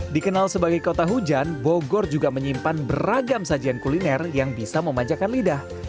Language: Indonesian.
dikenal sebagai kota hujan bogor juga menyimpan beragam sajian kuliner yang bisa memanjakan lidah